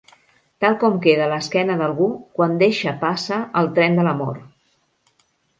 Tal com queda l'esquena d'algú quan deixa passa el tren de l'amor.